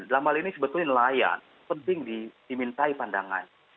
dalam hal ini sebetulnya nelayan penting dimintai pandangan